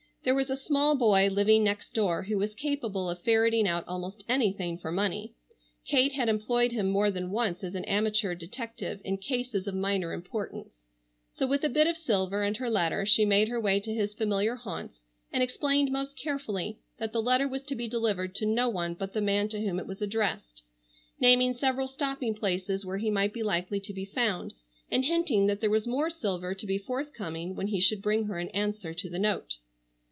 There was a small boy living next door who was capable of ferreting out almost anything for money. Kate had employed him more than once as an amateur detective in cases of minor importance. So, with a bit of silver and her letter she made her way to his familiar haunts and explained most carefully that the letter was to be delivered to no one but the man to whom it was addressed, naming several stopping places where he might be likely to be found, and hinting that there was more silver to be forthcoming when he should bring her an answer to the note.